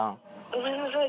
「ごめんなさい。